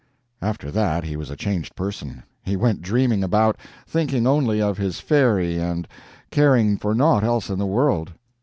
After that he was a changed person. He went dreaming about, thinking only of his fairy and caring for naught else in the world.